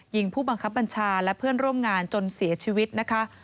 ผู้บังคับบัญชาและเพื่อนร่วมงานจนเสียชีวิตนะคะ